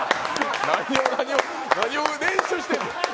何を練習してんの。